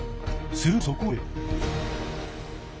するとそこへ。